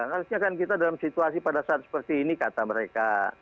harusnya kan kita dalam situasi pada saat seperti ini kata mereka